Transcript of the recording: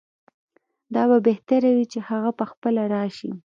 دا به بهتره وي چې هغه پخپله راشي.